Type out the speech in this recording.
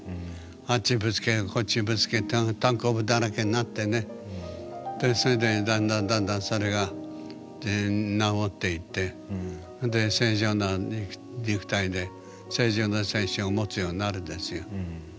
あっちぶつけてこっちぶつけてたんこぶだらけになってねでそれでだんだんだんだんそれが治っていってで正常な肉体で正常な精神を持つようになるんですよ。